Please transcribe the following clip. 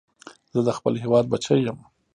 زه د خپل هېواد بچی یم